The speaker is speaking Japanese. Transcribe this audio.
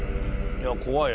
いや怖い。